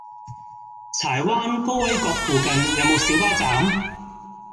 柴灣高威閣附近有無小巴站？